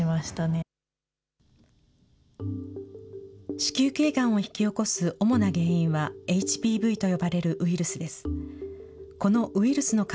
子宮けいがんを引き起こす主な原因は、ＨＰＶと呼ばれるウイルスです。